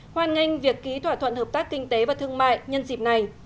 hoan nghênh việc ký thỏa thuận hợp tác kinh tế và thương mại nhân dịp này